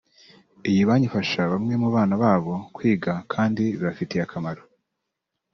iyi banki ifasha bamwe mu bana babo kwiga kandi bibafitiye akamaro